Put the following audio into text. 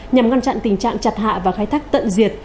nhằm ngăn chặn tình trạng chặt hạ và khai thác tận diệt